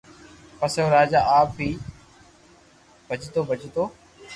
پسي او راجا آپ ھي ڀجتو ڀجتو